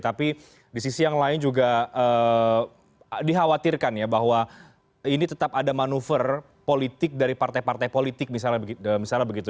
tapi di sisi yang lain juga dikhawatirkan ya bahwa ini tetap ada manuver politik dari partai partai politik misalnya begitu